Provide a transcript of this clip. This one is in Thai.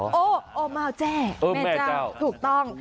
โหโอ้เม่าแจ่ตรูต้อง